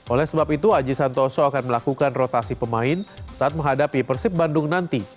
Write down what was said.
oleh sebab itu aji santoso akan melakukan rotasi pemain saat menghadapi persib bandung nanti